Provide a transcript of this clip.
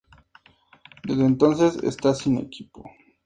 Desde entonces está sin equipo.